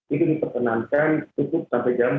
ini diperkenankan cukup sampai jam dua belas